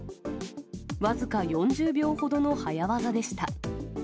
僅か４０秒ほどの早業でした。